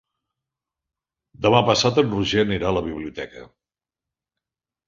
Demà passat en Roger anirà a la biblioteca.